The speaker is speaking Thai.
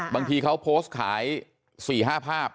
บางทีเขาโพสต์ขาย๔๕ภาพ